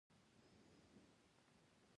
دوی سابقه او تېره کړې موده مهمه ده.